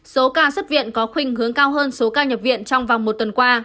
số ca xuất viện có khuyên hướng cao hơn số ca nhập viện trong vòng một tuần qua